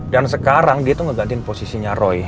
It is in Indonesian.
dan sekarang dia tuh ngegantiin posisinya roy